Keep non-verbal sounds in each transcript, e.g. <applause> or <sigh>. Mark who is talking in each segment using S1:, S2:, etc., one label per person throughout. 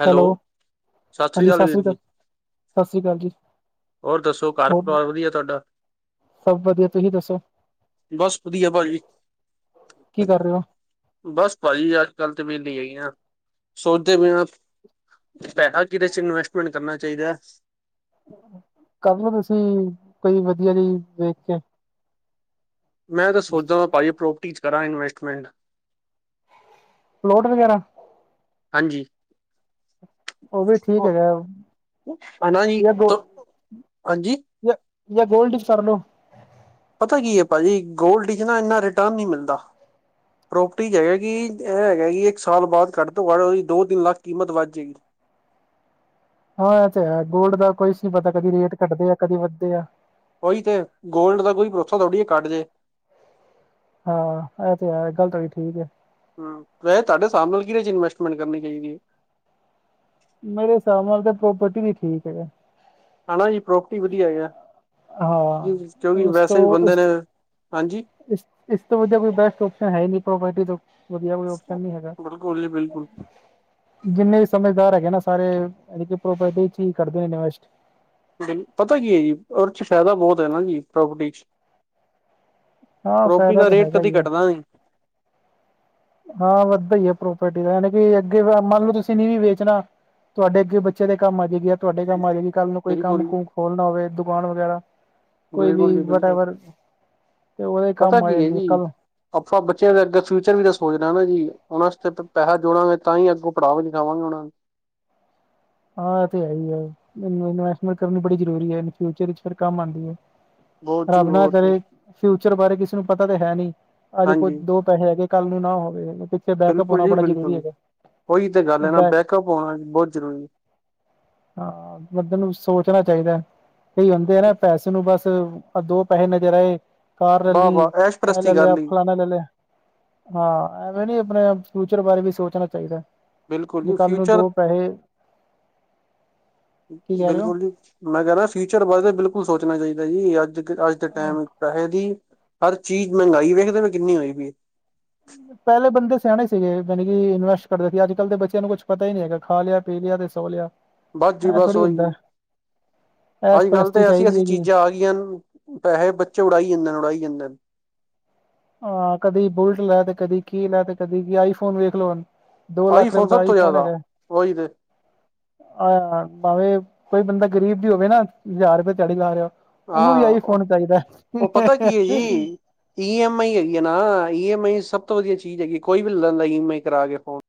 S1: Hello ਸਤਿ ਸ੍ਰੀ ਕਾਲ ਵੀਰ ਜੀ।
S2: ਸਤਿ ਸ੍ਰੀ ਅਕਾਲ ਜੀ
S1: ਹੋਰ ਦੱਸੋ ਘਰ
S2: ਹੋਰ
S1: ਪਰਿਵਾਰ ਵਧੀਆ ਤੁਹਾਡਾ
S2: ਸਭ ਵਧੀਆ ਤੁਸੀਂ ਦੱਸੋ
S1: ਬਸ ਵਧੀਆ ਭਾਜੀ।
S2: ਕੀ ਕਰ ਰਹੇ ਹੋ?
S1: ਬਸ ਭਾਜੀ ਅੱਜ ਕੱਲ ਤੇ ਵੇਹਲੇ ਹੀ ਹੈਗੈ ਆ। ਸੋਚਦੇ ਪਏ ਆ ਪੈਹਾ ਕਿਹਦੇ ਚ ਇਨਵੈਸਟਮੈਂਟ ਕਰਨਾ ਚਾਹੀਦਾ।
S2: ਕਰ ਲੋ ਤੁਸੀਂ ਕੋਈ ਵਧੀਆ ਜੀ ਵੇਖ ਕੇ।
S1: ਮੈਂ ਤਾਂ ਸੋਚਦਾ ਭਾਜੀ ਪ੍ਰੋਪਰਟੀ 'ਚ ਕਰਾਂ ਇਨਵੈਸਟਮੈਂਟ।
S2: ਪਲਾਟ ਵਗੈਰਾ
S1: ਹਾਂਜੀ।
S2: ਉਹ ਵੀ ਠੀਕ ਹੈਗਾ
S1: ਹਨਾ ਜੀ,
S2: ਯਾ ਦੋ
S1: ਤੋ ਹਾਂਜੀ
S2: ਯਾ ਯਾ ਗੋਲਡ ਇਚ ਕਰਲੋ।
S1: ਪਤਾ ਕੀ ਹੈ ਭਾਜੀ ਗੋਲਡ ਇਚ ਨਾ ਇੰਨਾ ਰਿਟਰਨ ਨਹੀਂ ਮਿਲਦਾ। ਪ੍ਰੋਪਰਟੀ ਚ ਹੈਗਾ ਕੀ ਇਹ ਹੈਗਾ ਕੀ ਇੱਕ ਸਾਲ ਬਾਅਦ ਘੱਟ ਤੋਂ ਘੱਟ ਉਹਦੀ ਦੋ ਤਿੰਨ ਲੱਖ ਕੀਮਤ ਵੱਧ ਜਾਏਗੀ।
S2: ਹਾਂ ਇਹ ਤੇ ਹੈ ਗੋਲਡ ਦਾ ਕੋਈ ਸ ਨਹੀਂ ਪਤਾ ਕਦੀ ਰੇਟ ਘਟਦੇ ਆ ਕਦੇ ਵੱਧਦੇ ਆ।
S1: ਉਹੀ ਤੇ ਗੋਲਡ ਦਾ ਕੋਈ ਭਰੋਸਾ ਥੋੜੀ ਏ ਘਟ ਜੇ।
S2: ਹਾਂ ਇਹ ਤੇ ਹੈ ਇਹ ਗੱਲ ਤੁਹਾਡੀ ਠੀਕ ਹੈ।
S1: ਵੈਸੇ ਤੁਹਾਡੇ ਹਿਸਾਬ ਨਾਲ ਕਿਹਦੇ ਚ ਇਨਵੈਸਟਮੈਂਟ ਕਰਨੀ ਚਾਹੀਦੀ ਹੈ
S2: ਮੇਰੇ ਹਿਸਾਬ ਨਾਲ ਤੇ ਪ੍ਰੋਪਰਟੀ ਵੀ ਠੀਕ ਹੈਗਾ।
S1: ਹੈਨਾ ਜੀ ਪ੍ਰੋਪਰਟੀ ਵਧੀਆ ਹੈਗਾ
S2: ਹਾਂ
S1: ਕਿਉਂਕਿ
S2: ਉਸ ਤੋਂ
S1: ਵੈਸੇ ਵੀ ਬੰਦੇ
S2: ਇਸ
S1: ਨੇ ਹਾਂਜੀ
S2: ਇਸ ਇਸ ਤੋਂ ਵਧੀਆ ਕੋਈ ਬੈਸਟ ਓਪਸ਼ਨ ਹੈ ਈ ਨਹੀਂ ਪ੍ਰੋਪਰਟੀ ਤੋਂ ਵਧੀਆ ਕੋਈ ਓਪਸ਼ਨ ਨੀ ਹੈਗਾ।
S1: ਬਿਲਕੁਲ ਜੀ ਬਿਲਕੁਲ
S2: ਜਿੰਨੇ ਵੀ ਸਮਝਦਾਰ ਹੈਗੇ ਨਾ ਸਾਰੇ ਪ੍ਰੋਪਰਟੀ ਚ ਹੀ ਕਰਦੇ ਨੇ ਇਣਵਸਟ
S1: ਪਤਾ ਕੀ ਹੈ ਜੀ ਉਹਦੇ ਚ ਫਾਇਦਾ ਬਹੁਤ ਹੈ ਨਾ ਜੀ ਪ੍ਰੋਪਰਟੀ ਚ
S2: ਹਾਂ
S1: ਪ੍ਰੋਪਰਟੀ
S2: ਫਾਇਦਾ
S1: ਦਾ
S2: ਤਾਂ
S1: ਰੇਟ
S2: ਹੈਗਾ
S1: ਕਦੀ
S2: ਹੀ ਹੈ
S1: ਘੱਟਦਾ ਨੀ।
S2: ਹਾਂ ਵੱਧਦਾ ਹੀ ਹੈ ਪ੍ਰੋਪਰਟੀ ਦਾ ਯਾਨੀ ਕਿ ਅੱਗੇ ਮੰਨ ਲਓ ਤੁਸੀਂ ਨੀ ਵੀ ਵੇਚਣਾ ਤੁਹਾਡੇ ਅੱਗੇ ਬੱਚਿਆਂ ਦੇ ਕੰਮ ਆ ਜਾਏਗੀ ਤੁਹਾਡੇ ਕੰਮ ਆਏਗੀ ਕੱਲ ਨੂੰ ਕੋਈ ਕੰਮ
S1: ਬਿਲਕੁਲ
S2: ਕੁਮ ਖੋਲਣਾ ਹੋਵੇ ਦੁਕਾਨ ਵਗੈਰਾ। ਕੋਈ
S1: ਬਿਲਕੁਲ
S2: ਵੀ
S1: ਜੀ
S2: ਵਟ
S1: ਬਿਲਕੁਲ
S2: ਐਵਰ ਤੇ ਉਹਦੇ
S1: ਪਤਾ
S2: ਕੰਮ ਆ
S1: ਕੀ
S2: ਜਾਂਦੇ ਹੈ
S1: ਜੀ
S2: ਕੱਲ
S1: ਆਪਾਂ ਬੱਚਿਆਂ ਦੇ ਅੱਗੇ ਫਿਊਚਰ ਵੀ ਤਾਂ ਸੋਚਨਾ ਹ ਨਾ ਡਾਜੀ ਉਹਨਾਂ ਪੈਸਾ ਜੋੜਾਂਗੇ ਤਾਂ ਹੀ ਅੱਗੋਂ ਪੜਾਵਾ ਲਿਖਾਗੇ ਉਹਨਾਂ ਨੂੰ।
S2: ਹਾਂ ਇਹ ਤਾਂ ਹੈ ਹੀ ਹੈ। ਇਨਵੈਸਟਮੈਂਟ ਕਰਨੀ ਬੜੀ ਜ਼ਰੂਰੀ ਹੈ ਇਨ ਫਿਊਚਰ ਵਿੱਚ ਫਿਰ ਕੰਮ ਆਉਂਦੀ ਹੈ।
S1: ਬਹੁਤ ਜੀ
S2: ਰੱਬ ਨਾ
S1: ਬਹੁਤ
S2: ਕਰੇ ਫਿਊਚਰ ਬਾਰੇ ਕਿਸੇ ਨੂੰ ਪਤਾ ਤੇ ਹੈ ਨਹੀਂ ਅੱਜ ਕੂਜ
S1: ਹਾਂਜੀ
S2: ਦੋ ਪੈਹੇ ਹੈਗੇ ਕੱਲ੍ਹ ਨੂੰ ਨਾ ਹੋਵੇ। ਬੈਕਅਪ
S1: ਬਿਲਕੁਲ
S2: ਹੋਣਾ
S1: ਜੀ
S2: ਬੜਾ ਜ਼ਰੂਰੀ
S1: ਬਿਲਕੁਲ
S2: ਹੈਗਾ
S1: ਉਹੀ ਤੇ ਗੱਲ ਏ ਨਾ
S2: ਬੈਕ
S1: ਬੈਕਅਪ ਹੋਣਾ ਬਹੁਤ ਜ਼ਰੂਰੀ।
S2: ਹਾਂ ਬੰਦੇ ਨੂੰ ਸੋਚਣਾ ਚਾਹੀਦੈ ਕਈ ਹੁੰਦੇ ਏ ਨਾ ਪੈਸੇ ਨੂੰ ਬਸ ਦੋ ਪੈਹੇ ਨਜ਼ਰ ਆਏ ਕਾਰ ਲੈ
S1: ਵਾਹ
S2: ਲਈ
S1: ਵਾਹ ਐਸ਼
S2: ਇਹ
S1: ਪ੍ਰਸਤੀ
S2: ਲੈ
S1: ਕਰ
S2: ਲਿਆ
S1: ਲਈ
S2: ਫਲਾਨਾ ਲੈ ਲਿਆ ਹਾਂ ਐਵੇਂ ਨੀ ਆਪਣੇ ਫਿਊਚਰ ਬਾਰੇ ਵੀ ਸੋਚਣਾ ਚਾਹੀਦਾ
S1: ਬਿਲਕੁਲ
S2: ਬੀ
S1: ਜੀ
S2: ਕੱਲ ਨੂੰ
S1: ਫਿਊਚਰ
S2: ਦੋ ਪੈਹੇ ਕਹਿ ਰਹੇ ਹੋ
S1: ਬਿਲਕੁਲ ਜੀ ਮੈਂ ਕਹਿ ਰਿਹਾ ਫਿਊਚਰ ਬਾਰੇ ਤੇ ਬਿਲਕੁਲ ਸੋਚਣਾ ਚਾਹੀਦਾ ਜੀ ਅੱਜ ਕ ਅੱਜ ਦੇ ਟੈਮ ਪੈਹੇ ਦੀ ਹਰ ਚੀਜ਼ ਮਹਿੰਗਾਈ ਵੇਖਦੇ ਪਏ ਹੋ ਕਿੰਨੀ ਹੋਈ ਪਈ ਏ।
S2: ਪਹਿਲੇ ਬੰਦੇ ਸਿਆਣੇ ਸੀਗੇ ਯਾਣੀ ਕਿ ਇਨਵੈਸਟ ਕਰਦੇ ਸੀ ਅੱਜ-ਕੱਲ ਦੇ ਬੱਚਿਆਂ ਨੂੰ ਕੁੱਛ ਪਤਾ ਹੀ ਨਹੀਂ ਹੈਗਾ ਖਾ ਲਿਆ ਪੀ ਲਿਆ ਤੇ ਸੋ ਲਿਆ।
S1: ਬਸ ਜੀ
S2: ਐਂ
S1: ਬਸ
S2: ਥੋੜ੍ਹੀ ਹੁੰਦਾ
S1: ਉਹੀ
S2: ਐਸ਼
S1: ਅੱਜ-ਕੱਲ ਤੇ
S2: ਪ੍ਰਸਤੀ ਚਾਹੀਦੀ
S1: ਐਸੀ-ਐਸੀ
S2: ਹੈਗੀ
S1: ਚੀਜ਼ਾਂ ਆ ਗਈ ਨ ਪੈਹੇ ਬੱਚੇ ਉਡਾਈ ਜਾਂਦੇ ਨੇ ਉਡਾਈ ਜਾਂਦੇ ਨੇ
S2: ਹਾਂ ਕਦੀ ਬੁਲਟ ਲੈ ਤੇ ਕਦੀ ਕੀ ਲੈ ਤੇ ਕਦੀ ਕੀ ਆਈ ਫੋਨ ਵੇਖ ਲਓ। ਦੋ ਲੱਖ
S1: ਆਈਫੋਨ
S2: ਰੁਪਏ ਦਾ
S1: ਸਭ
S2: ਆਈ
S1: ਤੋਂ
S2: ਫੋਨ
S1: ਜ਼ਿਆਦਾ
S2: ਹੈਗੈ।
S1: ਉਹੀ ਤੇ
S2: ਆਹ ਹਾ ਪਾਵੇ ਕੋਈ ਬੰਦਾ ਗਰੀਬ ਵੀ ਹੋਵੇ ਨਾ ਹਜ਼ਾਰ ਰੁਪਏ ਦਿਹਾੜੀ ਲਾ ਰਿਹਾ। ਉਹਨੂੰ ਵੀ
S1: ਹਾਂ
S2: ਆਈਫੋਨ ਚਾਹੀਦੈ।
S1: ਉਹ ਪਤਾ ਕੀ ਹੈ ਜੀ ਈ ਐਮ ਆਈ ਹੈਗੀ ਆ ਨਾ ਈ ਐਮ ਆਈ ਸਭ ਤੋਂ ਵਧੀਆ ਚੀਜ਼ ਹੈਗੀ ਏ ਕੋਈ ਵੀ ਲ ਲੈਂਦਾ ਈ ਐਮ ਆਈ ਕਰਾ ਕੇ ਫੋਨ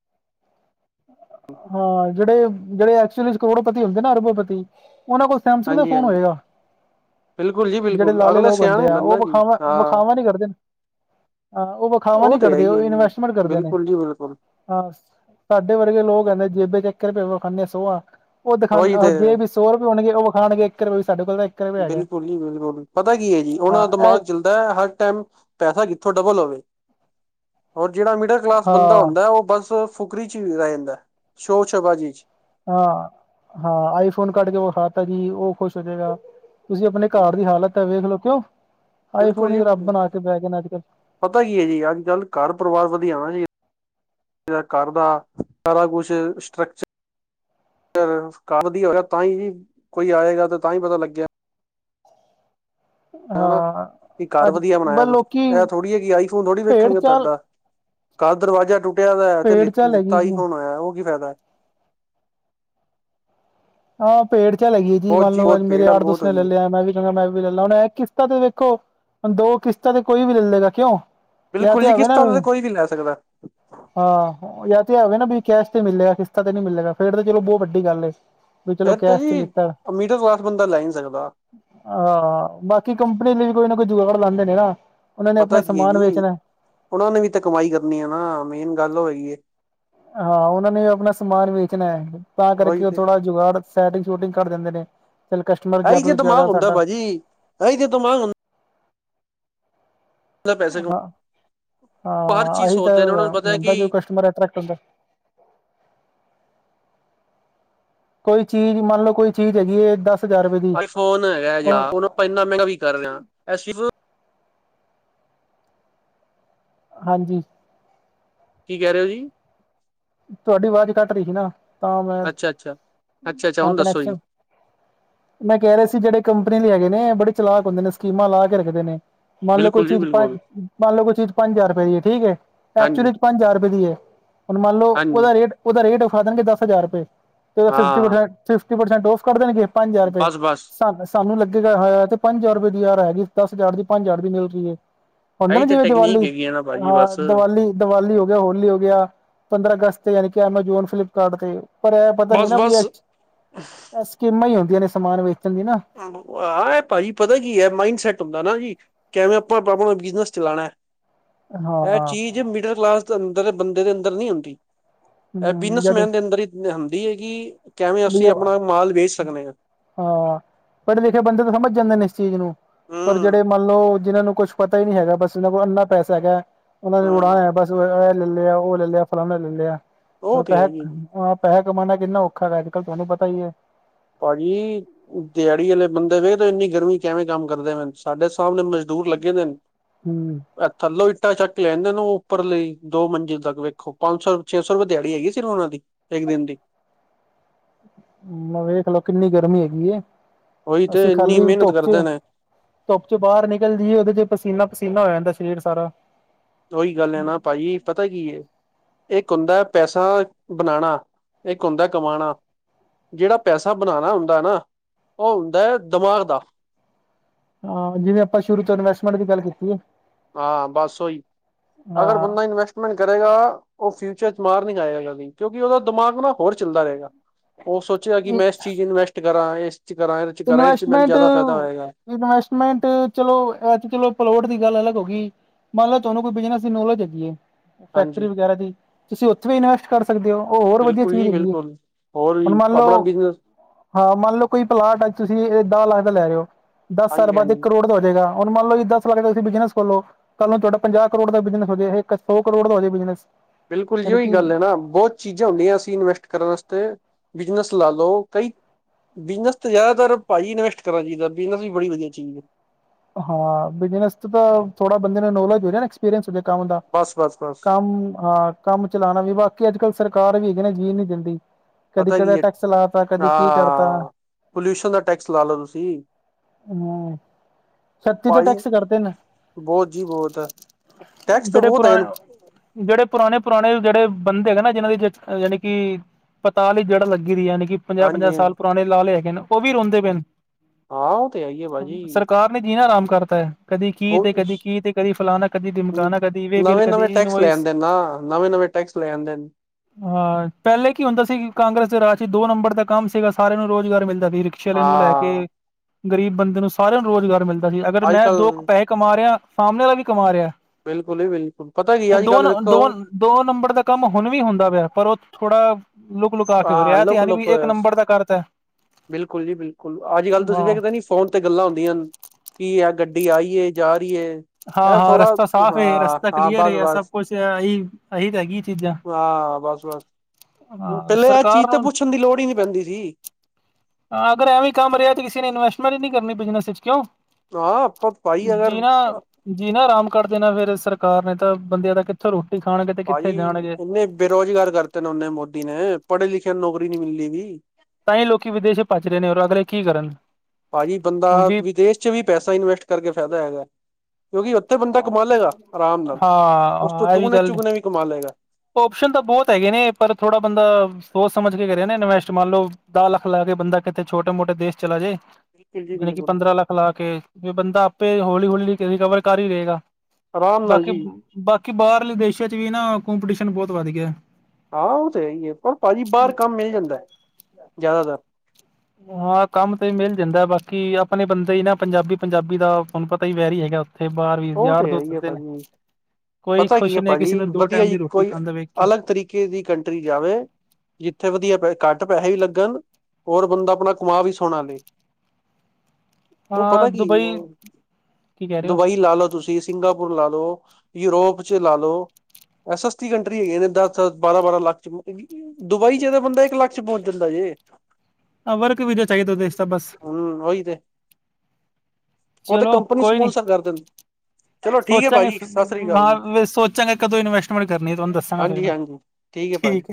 S2: ਹਾਂ ਜਿਹੜੇ ਜਿਹੜੇ ਐਕਚੁਲੀ ਚ ਕਰੋੜਪਤੀ ਹੁੰਦੇ ਨਾ ਅਰਬੋਪਤੀ ਉਹਨਾਂ ਕੋਲ ਸੈਮਸੰਗ ਦਾ
S1: ਹਾਂਜੀ
S2: ਫੋਨ
S1: ਹਾਂਜੀ
S2: ਹੋਏਗਾ।
S1: ਬਿਲਕੁਲ ਜੀ
S2: ਜਿਹੜੇ
S1: ਬਿਲਕੁਲ
S2: ਲਾਲੇ
S1: ਅਗਲੇ
S2: ਲੋਕ
S1: ਸਿਆਣੇ
S2: ਹੁੰਦੇ ਆ
S1: ਨੇ
S2: ਉਹ
S1: ਨਾ ਜੀ
S2: ਵਿਖਾਵਾਂ
S1: ਹਾਂ
S2: ਵਿਖਾਵਾਂ ਨਹੀਂ ਕਰਦੇ ਹਾਂ ਉਹ ਵਖਾਵਾ ਨਹੀਂ
S1: ਤੇ ਹੈ
S2: ਕੱਰਦੇ
S1: ਹੀ ਹੈ
S2: ਉਹ
S1: ਜੀ
S2: ਇਨਵੈਸਟਮੈਂਟ ਕਰਦੇ ਨੇ।
S1: ਬਿਲਕੁਲ ਜੀ ਬਿਲਕੁਲ
S2: ਹਾਂ ਸਾਡੇ ਵਰਗੇ ਲੋਕ ਹੁੰਦੇ ਜੇਬੇ ਚ ਇੱਕ ਰੁਪਏ ਹੋਵੇ ਵਖਾਨੇ ਸੌ ਹਾ ਉਹ ਦਿਖਾ
S1: ਉਹੀ ਤੇ
S2: ਜੇਬ ਵਿਚ ਸੌ ਰੁਪਏ ਹੋਣਗੇ ਉਹ ਵਿਖਾਣਗੇ ਇੱਕ ਰੁਪਏ ਸਾਡੇ ਕੋਲ ਤਾਂ ਇਕ
S1: ਬਿਲਕੁਲ ਜੀ ਬਿਲਕੁਲ ਪਤਾ ਕੀ ਏ ਜੀ ਉਹਨਾਂ
S2: ਹਾਂ
S1: ਦਾ
S2: ਇਹ
S1: ਦਮਾਗ <inaudible> ਦੈ ਹਰ ਟਾਈਮ ਪੈਸਾ ਕਿੱਥੋਂ ਡਬਲ ਹੋਵੇ। ਹੋਰ ਜਿਹੜਾ ਮਿਡਲ ਕਲਾਸ ਬੰਦਾ
S2: ਹਾਂ
S1: ਹੁੰਦਾ ਉਹ ਬਸ ਫੁਕਰੀ ਚ ਰਹਿ ਜਾਂਦੈ ਸ਼ੋ ਸ਼ਬਾਜ਼ੀ ਚ
S2: ਹਾਂ ਹਾਂ ਆਈਫੋਨ ਕੱਢ ਕੇ ਵਖਾ ਤਾ ਜੀ ਉਹ ਖੁਸ਼ ਹੋ ਜਾਏਗਾ। ਤੁਸੀਂ ਆਪਣੇ ਘਰ ਦੀ ਹਾਲਤ ਹੈ ਵੇਖ ਲੋ ਕਿਉਂ
S1: ਬਿਲਕੁਲ
S2: ਆਈਫੋਨ
S1: ਜੀ
S2: ਹੀ ਰੱਬ ਬਣਾ ਕੇ ਬੈ ਗਏ ਅੱਜ-ਕੱਲ੍ਹ
S1: ਪਤਾ ਕੀ ਏ ਜੀ ਅੱਜ-ਕੱਲ੍ਹ ਘਰ ਪਰਿਵਾਰ ਵਧੀਆ ਹੋਣਾ ਘਰ ਦਾ ਸਾਰਾ ਕੁਛ ਸਟਰਕਚਰ ਘਰ ਵਧੀਆ ਹੋਗਾ ਤਾਂ ਹੀ ਜੀ ਕੋਈ ਆਏਗਾ ਤੇ ਤਾਂ ਹੀ ਪਤਾ ਲੱਗੇਗਾ।
S2: ਹਾਂ
S1: ਕੀ ਕੱਰ
S2: ਅੱਜ
S1: ਵਧੀਆ
S2: ਬ
S1: ਬਇਆ
S2: ਲੋਕੀ
S1: ਤੁਸੀਂ ਇਹ ਥੋੜ੍ਹੀ ਏ ਕਿ ਆਈਫੋਨ ਥੋੜ੍ਹੀ
S2: ਭੇੜ
S1: ਵੇਖਣਗੇ
S2: ਚਾਲ
S1: ਤਾਡਾ। ਕੱਰ ਦਰਵਾਜ਼ਾ ਟੁੱਟਿਆ ਦੈ ਤੇ
S2: ਭੇੜ
S1: ਲਿੱਤ
S2: ਚਾਲ
S1: ਦਿੱਤਾ
S2: ਹੈਗੀ ਜੀ
S1: ਆਈਫੋਣ ਹੋਇਆ ਉਹ ਕੀ ਫਾਇਦੈ।
S2: ਆਹ ਪੇੜ ਚਾਲ ਹੈੈਗੀ ਏ ਜੀ
S1: ਬਹੁਤ
S2: ਮੰਨ ਲਓ ਅਜ
S1: ਬਹੁਤ
S2: ਮੇਰੇ
S1: ਭੇੜ
S2: ਯਾਰ
S1: ਬਹੁਤ
S2: ਦੋਸਤ ਨੇ ਲੈ
S1: ਹੋਈ ਹੈ
S2: ਲਿਆ ਮੈਂ ਵੀ ਮੈਂ ਵੀ ਲੈ ਲਾਂ, ਹੁਣ ਇਹ ਕਿਸ਼ਤਾਂ ਤੇ ਵੇਖੋ, ਦੋ ਕਿਸ਼ਤਾਂ ਤੇ ਕੋਈ ਵੀ ਲੈ ਲਏਗਾ ਕਿਉਂ? ਜਾਂ
S1: ਬਿਲਕੁਲ
S2: ਤੇ
S1: ਜੀ
S2: ਹੋਵੇ ਨਾ
S1: ਕਿਸ਼ਤਾਂ
S2: ਵੀ,
S1: ਤੇ ਕੋਈ ਲੈ ਸਕਦਾ
S2: ਹਾਂ ਜਾਂ ਤੇ ਹੋਵੇ ਨਾ ਬੀ ਕੈਸ਼ ਤੇ ਮਿਲੇਗਾ, ਕਿਸ਼ਤਾ ਤੇ ਨੀ ਮਿਲੇਗਾ, ਫੇਰ ਤਾਂ ਚਲੋ ਬਹੁਤ ਵੱਡੀ ਗੱਲ। ਵੀ ਚਲੋ
S1: ਫਿਰ ਤਾਂ
S2: ਕੈਸ਼ ਤੇ
S1: ਜੀ,
S2: ਲਿੱਤਾ
S1: ਮਿਡਲ ਕਲਾਸ ਬੰਦਾ ਲੈ ਹੀ ਨਹੀਂ ਸਕਦਾ।
S2: ਹਾਂ, ਬਾਕੀ ਕੰਪਨੀ ਵੀ ਕੋਈ ਨਾ ਕੋਈ ਜੁਗਾੜ ਲਾਂਦੇ ਨੇ ਨਾ। ਉਹਨਾਂ ਨੇ
S1: ਪਤਾ
S2: ਆਪਣਾ
S1: ਕੀ ਏ
S2: ਸਮਾਨ
S1: ਜੀ,
S2: ਵੇਚਣਾ
S1: ਉਹਨਾਂ ਨੇ ਵੀ ਤਾਂ ਕਮਾਈ ਕਰਨੀ ਏ ਨਾ, ਮੇਨ ਗੱਲ ਓੁਹ ਹੈਗੀ ਏ।
S2: ਹਾਂ, ਉਹਨਾਂ ਨੇ ਆਪਣਾ ਸਮਾਨ ਵੇਚਣਾ ਹੈ ਏ, ਤਾਂ
S1: ਉਹੀ
S2: ਕਰਕੇ ਉਹ
S1: ਤੇ
S2: ਥੋੜਾ ਜੁਗਾੜ, ਸੈਟਿੰਗ ਸੂਟਿੰਗ ਕਰ ਦਿੰਦੇ ਨੇ। ਚੱਲ ਕਸਟਮਰ
S1: ਏਹੀ
S2: ਜ਼ਿਆਦਾ
S1: ਤੇ
S2: ਤੋਂ
S1: ਦਿਮਾਗ
S2: ਜ਼ਿਆਦਾ
S1: ਹੁੰਦਾ
S2: ਸਾਡਾ
S1: ਭਾਜੀ, ਏਹੀ ਤੇ ਦਿਮਾਗ ਹੁੰ ਪੈਸੇ ਕਮਾ
S2: ਹਾਂ,
S1: ਉਹ ਹਰ
S2: ਹਾਂ
S1: ਚੀਜ਼
S2: ਅਹੀ ਤਾਂ
S1: ਸੋਚਦੇ ਨੇ ਉਹਨਾਂ ਨੂੰ ਪਤਾ ਹੈ
S2: ਹੁੰਦਾ, ਜੋ
S1: ਕਿ
S2: ਕਸਟਮਰ ਅ੍ਰੈਕਟ ਹੁੰਦਾ। ਕੋਈ ਚੀਜ਼, ਮੰਨ ਲਓ ਕੋਈ ਚੀਜ਼ ਹੈਗੀ ਏ, ਦੱਸ
S1: ਆਈ ਫੋਨ ਹੈਗਾ ਯਾਹੁਣ ਆਪਾਂ ਇੰਨਾ ਮਹਿੰਗਾ ਵੀ ਕਰ ਰਹੇ ਹਾਂ ਏ ਸਿ
S2: ਹਾਂਜੀ।
S1: ਕੀ ਕਹਿ ਰਹੇ ਹੋ ਜੀ?
S2: ਤੁਹਾਡੀ ਆਵਾਜ਼ ਕੱਟ ਰਹੀ ਹੀ ਨਾ, ਤਾਂ ਮੈਂ,
S1: ਅੱਛਾ ਅੱਛਾ ਅੱਛਾ ਅੱਛਾ
S2: ਹਾਂ
S1: ਹੁਣ ਦੱਸੋ ਜੀ
S2: ਕਨੈਕਸ਼ਨ ਮੈਂ ਕਹਿ ਰਿਹਾ ਸੀ ਜਿਹੜੇ ਕੰਪਨੀ ਲਈ ਹੈਗੇ ਨੇ, ਬੜੇ ਚਲਾਕ ਹੁੰਦੇ ਨੇ, ਸਕੀਮਾਂ ਲਾ ਕੇ ਰੱਖਦੇ ਨੇ। ਮੰਨ ਲਓ ਕੋਈ
S1: ਬਿਲਕੁਲ ਜੀ
S2: ਚੀਜ਼
S1: ਬਿਲਕੁਲ
S2: ਮੰਨ ਲਓ ਕੋਈ ਚੀਜ਼ ਪੰਜ ਹਜ਼ਾਰ ਰੁਪਏ ਦੀ ਠੀਕ ਏ।
S1: ਹਾਂਜੀ
S2: ਐਕਚੁਲੀ ਚ ਪੰਜ ਹਜ਼ਾਰ ਰੁਪਏ ਦੀ ਏ, ਹੁਣ ਮੰਨ ਲਓ
S1: ਹਾਂਜੀ
S2: ਉਹਦਾ ਉਹਦਾ ਰੇਟ ਵਖਾ ਦੇਣਗੇ ਦਸ ਹਜ਼ਾਰ ਰੁਪਏ ਤੇ ਉਹਦਾ ਫਿਫਟੀ,
S1: ਹਾਂ
S2: ਫਿਫਟੀ ਪਰਸੈਂਟ ਔਫ ਕਰ ਦੇਣਗੇ। ਪੰਜ ਹਜ਼ਾਰ ਰੁਪਏ
S1: ਬਸ ਬਸ
S2: ਸਬ ਸਾਨੂੰ ਲੱਗੇਗਾ ਹਾ ਹਾਏ ਤੇ ਪੰਜ ਹਜ਼ਾਰ ਰੁਪਏ ਦੀ ਯਾਰ ਹੈਗੀ, ਦਸ ਹਜ਼ਾਰ ਦੀ, ਪੰਜ ਹਜ਼ਾਰ ਦੀ ਮਿਲ ਰਹੀ ਏ। ਹੁੰਦੇ
S1: ਇਹੀ
S2: ਨਾ
S1: ਤਾਂ
S2: ਜਿਵੇਂ ਦੀਵਾਲੀ
S1: ਟੈਕਨੀਕ ਹੈਗੀ ਹੈ ਨਾ ਭਾਜੀ
S2: ਹਾਂ
S1: ਬਸ
S2: ਦੀਵਾਲੀ। ਦੀਵਾਲੀ ਹੋ ਗਿਆ, ਹੋਲੀ ਹੋ ਗਿਆ, ਪੰਦਰਾਂ ਅਗਸਤ ਤੇ ਯਾਨੀ ਕਿ ਐਮਾਜੋਨ ਫਲਿਪਕਾਰਟ ਤੇ। ਪਰ ਇਹ ਪਤਾ ਨੀ
S1: ਬਸ
S2: ਨਾ ਵੀ
S1: ਬਸ
S2: ਇਹ, ਸਕੀਮਾਂ ਹੀ ਹੁੰਦੀਆਂ ਨੇ ਸਮਾਨ ਵੇਚਣ ਦੀਆਂ ਨਾ।
S1: ਆਹ ਭਾਜੀ ਪਤਾ ਕੀ ਏ, ਇਹ ਮਾਈੰਡ ਸੈਟ ਹੁੰਦਾ ਨਾ ਜੀ। ਕਿਵੇਂ ਆਪਾਂ ਡਬਲ, ਬਿਜਨਸ ਚਲਾਣਾ। ਇਹ
S2: ਹਾਂ
S1: ਚੀਜ਼ ਮਿਡਲ ਕਲਾਸ ਦੇ ਅੰਦਰ, ਬੰਦੇ ਦੇ ਅੰਦਰ ਨਹੀਂ ਹੁੰਦੀ। ਇਹ
S2: ਹੂੰ ਜਦ
S1: ਬਿਜਨਸਮੈਨ ਦੇ ਅੰਦਰ ਹੀ ਹੁੰਦੀ ਹੈ ਕਿ ਕਿਵੇਂ
S2: ਵੀ
S1: ਅਸੀਂ ਆਪਣਾ ਮਾਲ ਵੇਚ ਸਕਦੇ ਹਾਂ।
S2: ਹਾਂ ਪੜ੍ਹੇ ਲਿਖੇ ਬੰਦੇ ਤਾਂ ਸਮਝ ਜਾਂਦੇ ਨੇ ਇਸ ਚੀਜ਼ ਨੂੰ, ਪਰ
S1: ਹੂੰ
S2: ਜਿਹੜੇ ਮੰਨ ਲਓ, ਜਿਹਨਾਂ ਨੂੰ ਕੁਛ ਪਤਾ ਹੀ ਨਹੀਂ ਹੈਗਾ, ਬਸ ਇਹਨਾਂ ਕੋਲ ਅੰਨਾ ਪੈਸਾ ਹੈਗਾ। ਉਹਨਾਂ ਨੇ
S1: ਹੂੰ
S2: ਉੜਾਨਾ ਬਸ, ਇਹ ਲੈ ਲਿਆ, ਉਹ ਲੈ ਲਿਆ, ਫਲਾਂਨਾ ਲੈ ਲਿਆ।
S1: ਉਹ
S2: ਪਰ
S1: ਤੇ ਹੈ
S2: ਪੈਹਾ
S1: ਹੀ ਹੈ ਜੀ
S2: ਹਾਂ ਪੈਹਾ ਕਮਾਉਣਾ ਕਿੰਨਾ ਔਖਾ ਹੈਗਾ, ਅੱਜ- ਕੱਲ੍ਹ ਤੁਹਾਨੂੰ ਪਤਾ ਹੀ ਹੈ।
S1: ਭਾਜੀ ਦਿਹਾੜੀ ਵਾਲੇ ਬੰਦੇ ਵੇਖਦੇ, ਇੰਨੀ ਗਰਮੀ ਕਿਵੇਂ ਕੰਮ ਕਰਦੇ ਨੇ, ਸਾਡੇ ਸਾਹਮਣੇ ਮਜਦੂਰ ਲੱਗੇ ਦੇ ਨੇ। ਏ ਥਲੋ ਇਟਾ ਚੱਕ ਲੈ ਜਾਂਦੇ ਓ ਉੱਪਰ ਲਈ, ਦੋ ਮੰਜ਼ਿਲ ਤੱਕ ਵੇਖੋ। ਪੰਜ ਸੌ, ਛੇ ਸੌ ਰੁਪਏ ਦਿਹਾੜੀ ਹੈਗੀ ਸਿਰਫ ਉਹਨਾਂ ਦੀ, ਇੱਕ ਦਿਨ ਦੀ।
S2: 'ਵੇਖ ਲਓ ਕਿੰਨੀ ਗਰਮੀ ਹੈਗੀ ਏ,
S1: ਉਹੀ
S2: ਅਸੀਂ
S1: ਤੇ ਇੰਨੀ
S2: ਖਾਲੀ
S1: ਮਿਹਨਤ
S2: ਧੁੱਪ 'ਚ
S1: ਕਰਦੇ ਨੇ
S2: ਧੁੱਪ ਚੋਂ ਬਾਹਰ ਨਿਕਲ ਜਾਈ ਏ, ਉਹਦੇ ਚ ਪਸੀਨਾ -ਪਸੀਨਾ ਹੋ ਜਾਂਦਾ ਸਰੀਰ ਸਾਰਾ।
S1: ਓਹੀ ਗੱਲ ਹੈ ਨਾ ਭਾਜੀ, ਪਤਾ ਕੀ ਏ ਇਹ ਹੁੰਦਾ ਪੈਸਾ ਬਣਾਣਾ, ਇੱਕ ਹੁੰਦਾ ਕਮਾਣਾ। ਜਿਹੜਾ ਪੈਸਾ ਬਣਾਣਾ ਹੁੰਦਾ ਨਾ, ਉਹ ਹੁੰਦਾ ਹੈ ਦਿਮਾਗ ਦਾ।
S2: ਹਾਂ, ਜਿਵੇਂ ਆਪਾਂ ਸ਼ੁਰੂ ਤੋਂ ਇਨਵੈਸਟਮੈਂਟ ਦੀ ਗੱਲ ਕੀਤੀ ਹੈ।
S1: ਹਾਂ ਬਸ ਓਹੀ, ਅਗਰ ਬੰਦਾ
S2: ਹਾਂ
S1: ਇਨਵੇ ਸਟਮੈਂਟ ਕਰੇਗਾ, ਉਹ ਫਿਊਚਰ ਚ ਮਾਰ ਨੀ ਖਾਏਗਾ ਕਦੀ, ਕਿਉਂਕਿ ਉਹਦਾ ਦਿਮਾਗ ਨਾ ਹੋਰ ਚੱਲਦਾ ਰਹੇਗਾ। ਉਹ ਸੋਚਗਾ ਕਿ ਮੈਂ ਇਸ ਚੀਜ਼ ਚ ਇਨਵੈਸਟ ਕਰਾਂ, ਇਸ ਚ ਕਰਾਂ, ਇਹਦੇ ਚ ਕਰਾਂ, ਇਹਦੇ ਚ ਮੈਨੂੰ
S2: ਇਨਵੈਸਟਮੈਂਟ
S1: ਜ਼ਿਆਦਾ ਫਾਇਦਾ ਹੋਏਗਾ।
S2: ਇਨਵੈਸਟਮੈਂਟ ਚਲੋੱ, ਚਲੋ ਪਲੋਟ ਦੀ ਗੱਲ ਅਲੱਗ ਹੋ ਗਈ ਮੰਨ ਲੋ ਤੁਹਾਨੂੰ ਕੋਈ ਬਿਜਨਸ ਦੀ ਨੌਲੇਜ ਹੈਗੀ,
S1: ਹਾਂਜੀ
S2: ਫੈਕਟਰੀ ਵਗੈਰਾ ਦੀ ਤੁਸੀਂ ਵੀ ਇਨਵੈਸਟ ਕਰ ਸਕਦੇ ਹੋ, ਉਹ ਹੋਰ ਵਧੀਆ
S1: ਬਿਲਕੁਲ ਜੀ
S2: ਚੀਜ਼,
S1: ਬਿਲਕੁਲ ਹੋਰ
S2: ਹੁਣ
S1: ਵੀ
S2: ਮੰਨ ਲਓ
S1: ਆਪਣਾ ਬਿਜਨਸ
S2: ਹਾਂ ਮੰਨ ਲਓ, ਕੋਈ ਪਲਾਟ ਅਜ ਤੁਸੀਂ ਇਹ ਦਸ ਲੱਖ ਦਾ ਲੈ ਰਹੇ ਹੋ, ਦਸ ਹਾਲ
S1: ਹਾਂਜੀ
S2: ਬਾਅਦ ਇੱਕ
S1: ਹਾਂਜੀ
S2: ਕਰੋੜ ਦਾ ਹੋ ਜਾਏਗਾ। ਹੁਣ ਮੰਨ ਲੋ ਜੀ, ਦਸ ਲੱਖ ਤੁਸੀ ਬਿਜਨਸ ਖੋਲੋ, ਕੱਲ੍ਹ ਤੁਹਾਡਾ ਪੰਜਾਹ ਕਰੋੜ ਦਾ ਬਜ਼ਨਸ ਹੋ ਜਾ, ਇਹ ਇੱਕ ਸੌ ਕਰੋੜ ਦਾ ਹੋ ਜਾਏ ਬਿਜਨਸ
S1: ਬਿਲਕੁਲ ਜੀ,
S2: ਯਾਨੀ
S1: ਉਹੀ
S2: ਕਿ
S1: ਗੱਲ ਹੈ ਨਾ। ਬਹੁਤ ਚੀਜ਼ਾਂ ਹੁੰਦੀਆਂ ਅਸੀਂ ਇਨਵੈਸਟ ਕਰਨ ਵਾਸਤੇ, ਬਿਜਨਸ ਲਾ ਲਓ ਕਈ ਬਿਜਨਸ ਤਾਂ ਜ਼ਿਆਦਾਤਰ, ਭਾਈ ਇਨਵੈਸਟ ਕਰਨਾ ਚਾਹੀਦਾ, ਬਿਜਨਸ ਬੜੀ ਵਧੀਆ ਚੀਜ਼ਏ।
S2: ਹਾਂ, ਬਿਜਨਸ ਤਾਂ ਥੋੜ੍ਹਾ ਬੰਦੇ ਨੂੰ ਨੌਲੇਜ ਹੋ ਜਾ, ਐਕਸਪੀਰੀਅੰਸ ਹੋਜਾਏ ਕੰਮ ਦਾ
S1: ਬਸ, ਬਸ, ਬਸ।
S2: ਕੰਮ ਹਾਂ ਕੰਮ ਚਲਾਉਣਾ ਵੀ, ਬਾਕੀ ਅੱਜ ਕੱਲ੍ਹ ਸਰਕਾਰ ਵੀ ਹੈਗੀ ਨੇ ਜੀਣ ਨਹੀਂ ਦਿੰਦੀ। ਕਦੀ -
S1: ਪਤਾ ਕੀ
S2: ਕਦੇ
S1: ਹੈ
S2: ਟੈਕਸ ਲਾ ਤਾ, ਕਦੀ ਕੀ ਕਰ ਤਾ
S1: ਹਾਂ ਪੋਲਿਊਸ਼ਨ ਦਾ ਟੈਕਸ ਲਾ ਲਓ ਤੁਸੀਂ
S2: ਹਾਂ। ਛੱਤੀ 'ਤੇ
S1: ਭਾਜੀ
S2: ਟੈਕਸ ਕਰਦੇ ਨੇ,
S1: ਬਹੁਤ ਜੀ ਬਹੁਤ ਹੈ ਟੈਕਸ ਤਾਂ
S2: ਜਿਹੜੇ
S1: ਬਹੁਤ ਹੈ
S2: ਪੁਰਾਣੇ
S1: ਇਹਨੂੰ
S2: ਜਿਹੜੇ ਪੁਰਾਣੇ- ਪੁਰਾਣੇ ਜਿਹੜੇ ਬੰਦੇ ਹੈਗੇ ਨਾ, ਜਿਹਨਾਂ ਦੀ, ਯਾਨਿ ਕਿ ਪਤਾ ਨਈ ਜੜ੍ਹ ਲੱਗੀ ਵੀ ਹੈ, ਯਾਨੀ ਕਿ ਪੰਜਾਹ - ਪੰਜਾਹ
S1: ਹਾਂਜੀ ਹਾਂ
S2: ਸਾਲ ਪੁਰਾਣੇ ਲਾ ਲਏ ਹੈਗੇ ਨੇ, ਉਹ ਵੀ ਰੋਂਦੇ ਪਏ ਨ।
S1: ਹਾਂ ਉਹ ਤੇ ਹੈ ਹੀ ਹੈ ਭਾਜੀ
S2: ਸਰਕਾਰ ਨਈ, ਜੀਣਾ ਹਰਾਮ ਕਰਤੈ। ਕਦੀ ਕੀ
S1: ਹੋ
S2: ਤੇ ਕਦੀ ਕੀ, ਤੇ ਕਦੀ ਫਲਾਣਾ ਕਦੀ ਢਿਮਕਾਣਾ, ਕਦੀ ਵੇ ਬਿੱਲ,
S1: ਨਵੇਂ
S2: ਕਦੀ ਇਨਔਇਸ।
S1: ਲਿਆਂ ਦੇਨੇ
S2: ਹਾਂ ਪਹਿਲੇ ਕੀ ਹੁੰਦਾ ਸੀ, ਕਾਂਗਰਸ ਦੇ ਰਾਜ 'ਚ ਦੋ ਨੰਬਰ ਦਾ ਕੰਮ ਸੀਗਾ, ਸਾਰਿਆਂ ਨੂੰ ਰੁਜ਼ਗਾਰ ਮਿਲਦਾ ਸੀ। ਲੇ ਨੂੰ ਲੈ ਕੇ
S1: ਹਾਂ
S2: ਗ਼ਰੀਬ ਬੰਦੇ ਨੂੰ, ਸਾਰਿਆਂ ਨੂੰ ਰੁਜ਼ਗਾਰ ਮਿਲਦਾ ਸੀ, ਅਗਰ
S1: ਅੱਜ
S2: ਮੈਂ
S1: ਕੱਲ
S2: ਦੋ ਕੁ ਪੈ ਕਮਾ ਰਿਹਾ, ਸਾਹਮਣੇ ਦਾ ਵੀ ਕਮਾ ਰਿਹਾ
S1: ਬਿਲਕੁਲ ਹੀ ਬਿਲਕੁਲ, ਪਤਾ ਕੀ ਆ ਅੱਜ
S2: ਦੋ
S1: ਗੱਲ ਵੇਖੋ
S2: ਦੋ ਦੋ ਨੰਬਰ ਦਾ ਕੰਮ ਹੁਣ ਵੀ ਹੁੰਦਾ ਪਿਆ, ਪਰ ਉਹ ਥੋੜਾ ਲੁਕ- ਲੁਕਾ ਕੇ ਹੋ
S1: ਹਾਂ
S2: ਰਿਹਾ, ਇ ਤੇ
S1: ਲੋਕ
S2: ਹੈ ਵੀ
S1: ਲੋਕ
S2: ਇੱਕ ਨੰਬਰ ਦਾ ਕਰਤਾ।
S1: ਬਿਲਕੁਲ ਜੀ ਬਿਲਕੁਲ, ਅੱਜ ਕੱਲ ਤੁਸੀ
S2: ਹਾਂ
S1: ਵੇਖਦੇ ਨੀ ਫੋਨ ਤੇ ਗੱਲਾਂ ਹੁੰਦੀਆਂ ਹਨ, ਕਿ ਆ ਗੱਡੀ ਆਈਏ ਜਾ ਰਹੀਏ
S2: ਹਾਂ -ਹਾਂ ਰਸਤਾ ਸਾਫ਼ ਹੈ, ਰਸਤਾ ਕਲੀਅਰ
S1: ਬਸ
S2: ਹੈ ਸਭ
S1: ਬਸ
S2: ਕੁਛ, ਇਹੀ -ਇਹੀ ਤਾਂ ਹੈਗੀ ਚੀਜ਼ਾਂ।
S1: ਹਾਂ ਬਸ- ਬਸ,
S2: ਹਾਂ
S1: ਪਹਿਲੇ ਇਹ
S2: ਸਰਕਾਰ
S1: ਚੀਜ਼ ਤਾਂ
S2: ਨੂੰ
S1: ਪੁੱਛਣ ਦੀ ਲੋੜ ਹੀ ਨਹੀਂ ਪੈਂਦੀ ਸੀ।
S2: ਹਾਂ ਅਗਰ ਐਵੇਂ ਕੰਮ ਰਿਹਾ ਤੇ, ਕਿਸੇ ਨੇ ਇਨਵੈਸਟਮੈਂਟ ਨੀ ਕਰਨੀ ਬਿਜਨਸ 'ਚ ਕਿਉਂ।
S1: ਹਾਂ ਆਪਾਂ ਭਾਈ
S2: ਜੀ
S1: ਅਗਰ
S2: ਨਾ, ਜੀ ਨਾ ਆਰਾਮ ਕੱਢ ਦੇਣਾ, ਫੇਰ ਸਰਕਾਰ ਨੇ ਤਾਂ ਬੰਦਿਆਂ ਦਾ। ਕਿੱਥੋਂ ਰੋਟੀ ਖਾਣਗੇ, ਤੇ
S1: ਭਾਜੀ
S2: ਕਿੱਥੇ ਜਾਣਗੇ।
S1: ਇੰਨੇ ਬੇਰੁਜ਼ਗਾਰ ਕਰਤੇ ਨ ਉਹਦੇ ਮੋਦੀ ਨੇ, ਪੜ੍ਹੇ ਲਿਖਿਆ ਨੂੰ ਨੌਕਰੀ ਨੀ ਮਿਲਨ ਵੀ।
S2: ਤਾਂ ਹੀ ਲੋਕੀ ਵਿਦੇਸ਼ ਪਚ ਰਹੇ ਨੇ, ਔਰ ਅਗਲੇ ਕੀ ਕਰਨ।
S1: ਭਾਜੀ ਬੰਦਾ
S2: ਹੁਣ ਵੀ
S1: ਵਿਦੇਸ਼ 'ਚ ਵੀ, ਪੈਸਾ ਇਨਵੈਸਟ ਕਰਕੇ ਫਾਇਦਾ ਹੈਗਾ। ਕਿਉਂਕਿ ਉੱਥੇ ਬੰਦਾ ਕਮਾ ਲਏਗਾ ਆਰਾਮ ਨਾਲ,
S2: ਹਾਂ
S1: ਉਸ ਤੋਂ
S2: ਹਾਂ ਇਹ ਵੀ
S1: ਦੁਗਣੇ
S2: ਗੱਲ
S1: -ਚੁਗਣੇ ਵੀ ਕਮਾ ਲਏਗਾ।
S2: ਓਪਸ਼ਨ ਤਾਂ ਬਹੁਤ ਹੈਗੇ ਨੇ, ਪਰ ਥੋੜ੍ਹਾ ਬੰਦਾ ਸੋਚ ਸਮਝ ਕੇ ਕਰਿਆ ਨਾ ਇਨਵੈਸਟ, ਮੰਨ ਲਓ ਦੱਸ ਲੱਖ ਲਾ ਕੇ ਬੰਦਾ ਕਿਤੇ ਛੋਟੇ- ਮੋਟੇ ਦੇਸ਼ ਚਲਾ ਜੇ
S1: ਬਿਲਕੁਲ ਜੀ
S2: ਯਣੀ ਕਿ
S1: ਬਿਲਕੁਲ
S2: ਪੰਦਰਾਂ ਲੱਖ ਲਾ ਕੇ ਵੀ ਬੰਦਾ, ਆਪੇ ਹੌਲੀ -ਹੌਲੀ ਰਿਕਵਰ ਕਰ ਹੀ ਰਹੇਗਾ।
S1: ਆਰਾਮ ਨਾਲ
S2: ਬਾਕੀ,
S1: ਜੀ
S2: ਬਾਕੀ ਬਾਹਰਲੇ ਦੇਸ਼ਾਂ 'ਚ ਵੀ ਨਾ, ਕਪੀਟੀਸ਼ਨ ਬਹੁਤ ਵੱਧ ਗਿਆ।
S1: ਹਾਂ ਉਹ ਤੇ ਇ ਹੈ, ਪਰ ਭਾਜੀ ਬਾਹਰ ਕੰਮ ਮਿਲ ਜਾਂਦਾ ਜ਼ਿਆਦਾਤਰ।
S2: ਹਾਂ ਕੰਮ ਤੇ ਮਿਲ ਜਾਂਦਾ ਬਾਕੀ, ਆਪਣੇ ਬੰਦੇ ਹੀ ਨਾ ਪੰਜਾਬੀ -ਪੰਜਾਬੀ ਦਾ ਤੁਹਾਨੂੰ ਪਤਾ ਹੀ ਵੈਰ ਹੀ ਹੈਗਾ। ਥੇ ਬਾਰ ਵੀ,
S1: ਉਹ
S2: ਯੜ
S1: ਤੇ
S2: ਤੋਂ
S1: ਹੈ ਹੀ ਹੈ
S2: ਸਧੇ ਨੇ
S1: ਭਾਜੀ
S2: ਕੋਈ
S1: ਪਤਾ ਕੀ
S2: ਖੁਸ਼ ਨਹੀਂ ਹੈ, ਕਿਸੇ
S1: ਭਾਜੀ
S2: ਨੂੰ ਦੋ -ਟਾਈਮ ਦੀ ਰੋਟੀ ਖਾਂਦਾ ਵੇਖ ਕੇ।
S1: ਕੇਦੀ ਕੰਟਰੀ ਜਾਵੇ। ਜਿੱਥੇ ਵਦੀਆ ਪੈ ਘੱਟ ਪੈਹੇ ਵੀ ਲੱਗਣ, ਔਰ ਬੰਦਾ ਆਪਣਾ ਕਮਾ ਵੀ ਸੋਣਾ ਲੇ। ਓ
S2: ਹਾਂ
S1: ਪਤਾ ਕੀ ਓ
S2: ਦੁਬਈ ਕੀ ਕਹਿ ਰਹੇ ਹੋ
S1: ਦੁਬਈ ਲਾ ਲਓ ਤੁਸੀਂ ਸਿੰਗਾਪੁਰ ਲਾ ਲੋ, ਯੂਰੋਪ ਚ ਲਾ ਲੋ। ਏਹ ਸਸਤੀ ਕੰਟਰੀ ਹੈਗੀਆਂ ਨੇ ਦਸ-ਦਸ, ਬਾਰਾਂ-ਬਾਰਾਂ ਲੱਖ ਚ। ਦੁਬਈ ਚ ਤੇ ਬੰਦਾ ਇੱਕ ਲੱਖ ਚ ਪੌਂਚ ਜਾਂਦਾ ਜੇ।
S2: ਹਾਂ ਵਰਕ ਵੀਜਾ ਚਾਈਦਾ ਦੇਸ਼ ਦਾ ਬਸ।
S1: ਹੂੰ, ਓਈ ਤੇ। ਓ ਤੇ ਕੰਪਨੀ
S2: ਨੀ
S1: ਸੰਪੋਂਸਰ ਕਰ ਦਿੰ
S2: ਸੋਚਾਂਗੇ
S1: ਜੀ
S2: ਹਾਂ ਸੋਚਾਂਗਾ ਕਦੋਂ ਇਨਵੈਸਟਮੈਂਟ ਕਰਨੀ ਐ ਤੁਆਨੂੰ ਦੱਸਾਂਗਾ ਫਿਰ
S1: ਹਾਂਜੀ
S2: ਮੈਂ।
S1: ਹਾਂਜੀ ਠੀਕ ਏ ਭਾਜੀ।